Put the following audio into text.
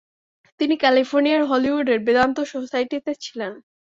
তিনি ক্যালিফোর্নিয়ার হলিউডের বেদান্ত সোসাইটিতে ছিলেন।